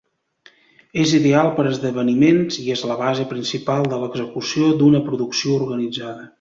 És ideal per a esdeveniments i és la base principal de l’execució d’una producció organitzada.